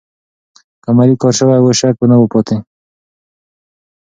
که عملي کار سوی و، شک به نه و پاتې.